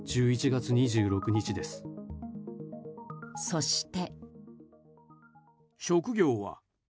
そして。